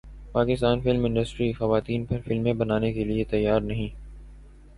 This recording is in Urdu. پاکستان فلم انڈسٹری خواتین پر فلمیں بنانے کیلئے تیار نہیں